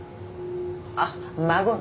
あっ孫ね。